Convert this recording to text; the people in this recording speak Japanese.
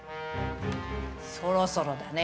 そろそろだね。